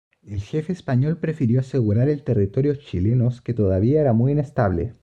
El jefe español prefirió asegurar el territorio chilenos que todavía era muy inestable.